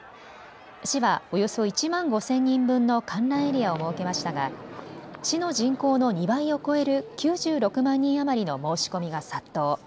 市はおよそ１万５０００人分の観覧エリアを設けましたが市の人口の２倍を超える９６万人余りの申し込みが殺到。